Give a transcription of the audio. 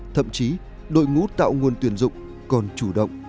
thậm chí đội ngũ tạo nguồn tuyển dụng còn chủ động